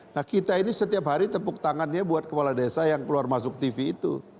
nah kita ini setiap hari tepuk tangannya buat kepala desa yang keluar masuk tv itu